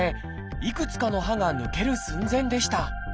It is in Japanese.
いくつかの歯が抜ける寸前でした。